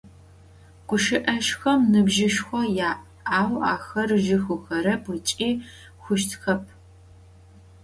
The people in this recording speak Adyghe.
Guşı'ezjxem nıbjışşxo ya', au axer zjı huxerep ıç'i xhuştxep.